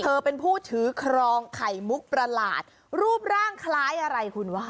เธอเป็นผู้ถือครองไข่มุกประหลาดรูปร่างคล้ายอะไรคุณว่า